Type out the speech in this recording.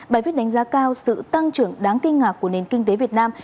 bài viết đánh giá cao sự tăng trưởng đáng kinh ngạc của nền kinh tế việt nam